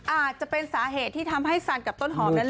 อาจจะเป็นสาเหตุที่ทำให้สันกับต้นหอมนั้น